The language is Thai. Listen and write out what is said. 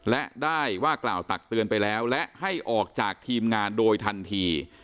และได้ว่ากล่าวตักเตือนไปแล้วและให้ออกจากทีมงานโดยทันที